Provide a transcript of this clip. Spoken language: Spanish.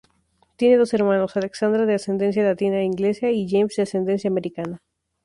Tiene dos hermanos, Alexandra, de ascendencia latina e inglesa y James, de ascendencia americana.